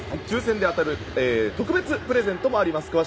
抽選で当たる特別プレゼントもあります。